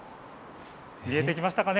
見えてきましたか。